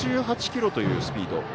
１１８キロというスピード。